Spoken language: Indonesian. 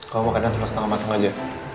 kau mau keadaan terus tengah matang aja